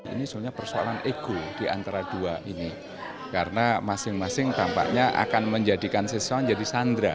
ini sebenarnya persoalan ego di antara dua ini karena masing masing tampaknya akan menjadikan siswa menjadi sandra